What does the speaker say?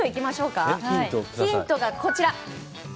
ヒントがこちら。